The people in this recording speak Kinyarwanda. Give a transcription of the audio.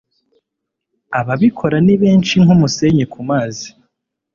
ababikora nibenshi nkumusenyi kumazi